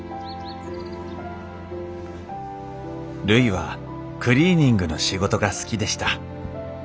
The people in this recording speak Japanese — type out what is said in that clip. るいはクリーニングの仕事が好きでした。